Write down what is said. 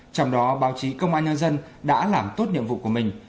trong đó báo chí công an nhân dân đã làm tốt nhiệm vụ của mình